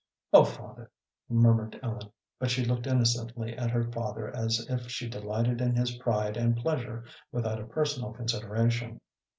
"Oh, father," murmured Ellen, but she looked innocently at her father as if she delighted in his pride and pleasure without a personal consideration.